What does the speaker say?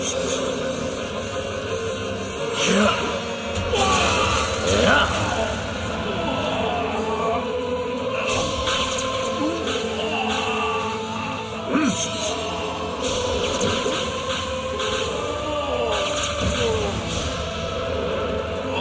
menjaga banyak orang teristan yang bertugas di luar sana